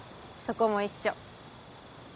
そこも一緒。